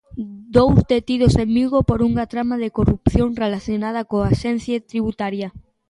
Dous detidos en Vigo por unha trama de corrupción relacionada coa Axencia Tributaria.